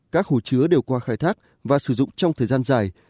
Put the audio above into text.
các hồ chứa đều qua khai thác và sử dụng trong thời gian dài